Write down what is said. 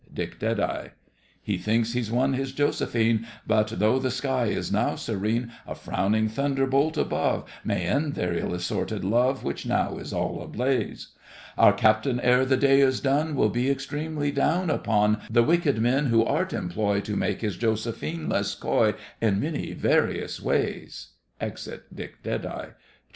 DICK DEADEYE He thinks he's won his Josephine, But though the sky is now serene, A frowning thunderbolt above May end their ill assorted love Which now is all ablaze. Our captain, ere the day is gone, Will be extremely down upon The wicked men who art employ To make his Josephine less coy In many various ways. [Exit DICK. JOS.